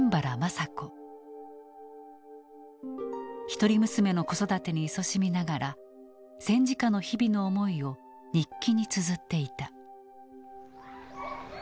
一人娘の子育てにいそしみながら戦時下の日々の思いを日記につづっていた。